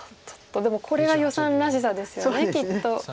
でもこれが余さんらしさですよねきっと。